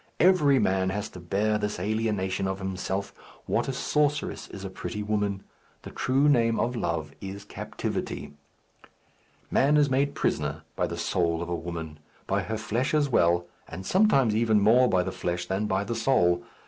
Every man has to bear this alienation of himself. What a sorceress is a pretty woman! The true name of love is captivity. Man is made prisoner by the soul of a woman; by her flesh as well, and sometimes even more by the flesh than by the soul.